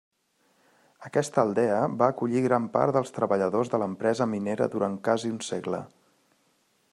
Aquesta aldea va acollir gran part dels treballadors de l'empresa minera durant quasi un segle.